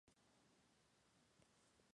Pankhurst sueca".